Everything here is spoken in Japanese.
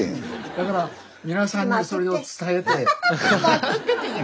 だから皆さんにそれを伝えて。